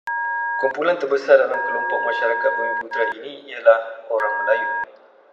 Kumpulan terbesar dalam kelompok masyarakat bumiputera ini ialah orang Melayu.